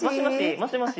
もしもし。